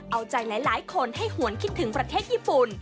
เอาใจหลายคนให้หวนคิดถึงประเทศญี่ปุ่น